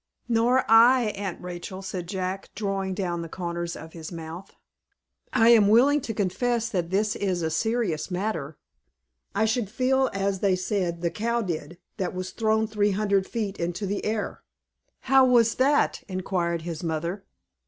"Nor I, Aunt Rachel," said Jack, drawing down the corners of his mouth. "I am willing to confess that this is a serious matter. I should feel as they said the cow did, that was thrown three hundred feet into the air." "How was that?" inquired his mother.